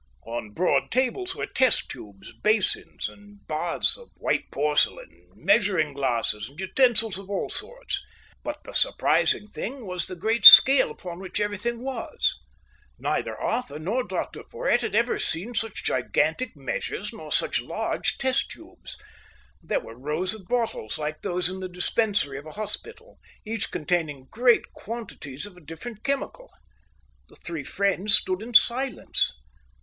On broad tables were test tubes, basins and baths of white porcelain, measuring glasses, and utensils of all sorts; but the surprising thing was the great scale upon which everything was. Neither Arthur nor Dr Porhoët had ever seen such gigantic measures nor such large test tubes. There were rows of bottles, like those in the dispensary of a hospital, each containing great quantities of a different chemical. The three friends stood in silence.